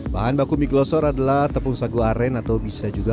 bahan baku mie glosor adalah tepung sagu aren atau bisa juga